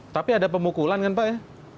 tapi ada pemukulan kan pak ya